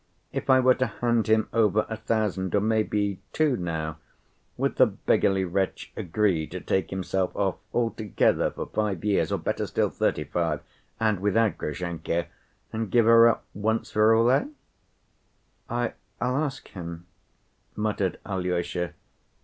If I were to hand him over a thousand or maybe two now, would the beggarly wretch agree to take himself off altogether for five years or, better still, thirty‐five, and without Grushenka, and give her up once for all, eh?" "I—I'll ask him," muttered Alyosha.